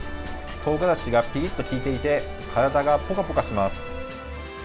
とうがらしがピリッと利いていて、体がぽかぽかします。